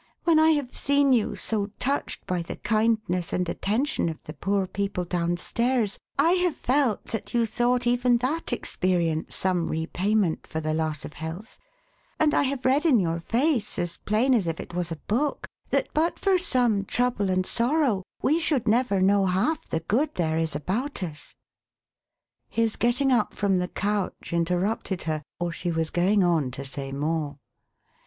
When I have seen you so touched by the kindness and attention of the poor people down stairs, I have felt that you thought even that experience some repayment for the loss of health, and I have read in your face, as plain as if it was a book, that but for some trouble and sorrow we should never know half the good there is about us." His getting up from the couch, interrupted her, or she was going on to say more.